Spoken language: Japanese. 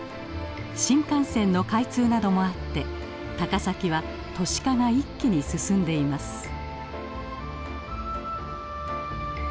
新幹線の開通などもあって高崎は都市化が一気に進んでいます。